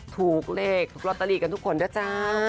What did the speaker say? ถูกเลขถูกลอตเตอรี่กันทุกคนด้วยจ้า